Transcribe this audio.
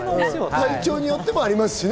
体調によってもありますしね。